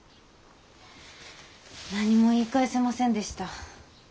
何も言い返せませんでした。